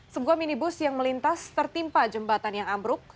sebuah minibus yang melintas tertimpa jembatan yang ambruk